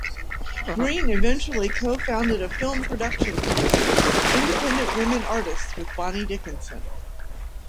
Green eventually co-founded a film production company, Independent Women Artists, with Bonnie Dickenson.